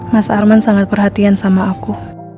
mas arman sangat perhatian sama aku